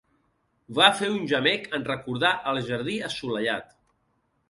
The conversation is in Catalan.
Va fer un gemec en recordar el jardí assolellat.